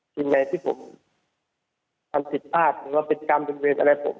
สิ่งไหนที่ผมทำผิดพลาดหรือว่าเป็นกรรมบนเวรอะไรผม